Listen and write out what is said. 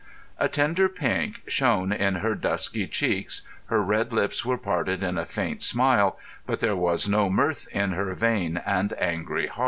A tender pink shone in her dusky cheeks, her red lips were parted in a faint smile, but there was no mirth in her vain and angry heart.